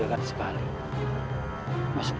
aku milihat yap cursus